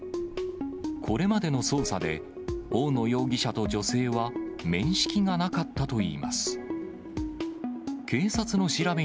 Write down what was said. これまでの捜査で、大野容疑者と女性は面識がなかったといいます。